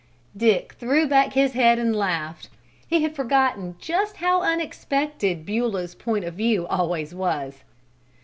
Dick threw back his head and laughed. He had forgotten just how unexpected Beulah's point of view always was.